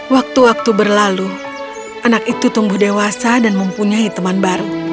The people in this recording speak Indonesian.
waktu waktu berlalu anak itu tumbuh dewasa dan mempunyai teman baru